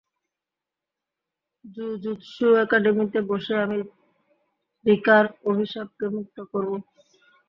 Jujutsu একাডেমীতে বসে, আমি রিকার অভিশাপকে মুক্ত করবো।